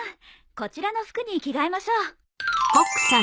こちらの服に着替えましょう。